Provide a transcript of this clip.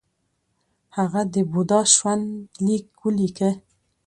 هغه د بودا ژوند لیک ولیکه